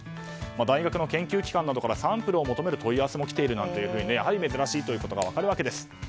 大学の研究機関などからサンプルを求める問い合わせも来ているなんてやはり珍しいことが分かるわけです。